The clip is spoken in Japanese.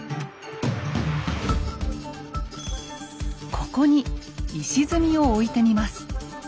ここに石積みを置いてみます。